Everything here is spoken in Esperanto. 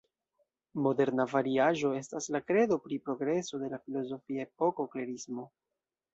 Moderna variaĵo estas la kredo pri progreso de la filozofia epoko klerismo.